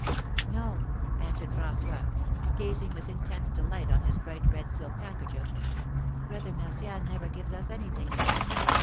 "No," answered François, gazing with intense delight on his bright red silk handkerchief, "Brother Martial never gives us anything."